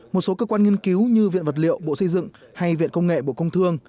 một số cơ quan nghiên cứu như viện vật liệu bộ xây dựng hay viện công nghệ bộ công thương